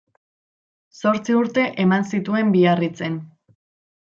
Zortzi urte eman zituen Biarritzen.